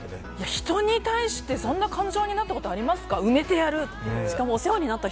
人に対して、そんな感情になったことありますか？